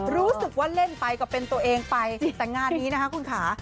รู้สึกว่าเล่นไปก็เป็นตัวเองไปแต่งานนี้นะคะคุณค่ะ